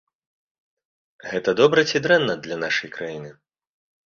Гэта добра ці дрэнна для нашай краіны?